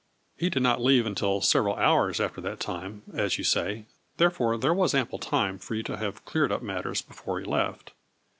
He did not leave until several hours after that time, as you say, therefore there was ample time for you to have cleared up matters before he left.